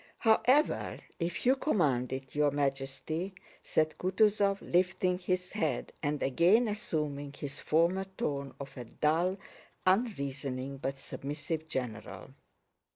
"However, if you command it, Your Majesty," said Kutúzov, lifting his head and again assuming his former tone of a dull, unreasoning, but submissive general.